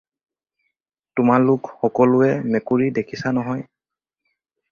তোমালোক সকলোৱে মেকুৰি দেখিছা নহয়।